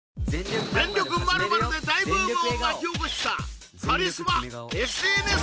「全力まるまる」で大ブームを巻き起こしたカリスマＳＮＳ